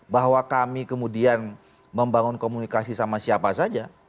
bahwa kami kemudian membangun komunikasi sama siapa saja